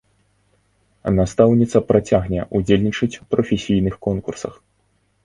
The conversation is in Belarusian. Настаўніца працягне ўдзельнічаць у прафесійных конкурсах.